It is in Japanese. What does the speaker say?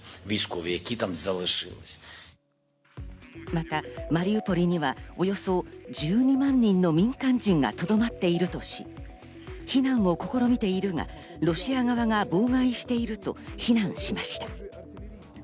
また、マリウポリにはおよそ１２万人の民間人がとどまっているとし、避難を試みているがロシア側が妨害していると避難しました。